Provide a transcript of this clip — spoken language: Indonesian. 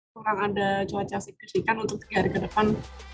kurang ada cuaca signifikan untuk tiga hari ke depan